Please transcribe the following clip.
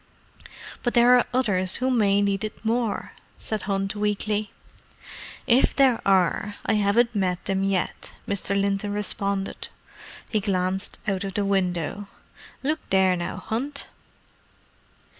"But there are others who may need it more," said Hunt weakly. "If there are, I haven't met them yet," Mr. Linton responded. He glanced out of the window. "Look there now, Hunt!"